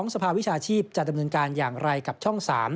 สภาวิชาชีพจะดำเนินการอย่างไรกับช่อง๓